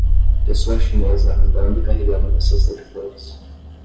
Pessoa chinesa andando e carregando uma cesta de flores.